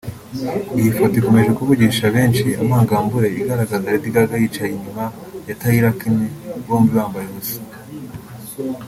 Iyi foto ikomeje kuvugisha benshi amagambure igaragaza Lady Gaga yicaye inyuma ya Taylor Kinney bombi bambaye ubusa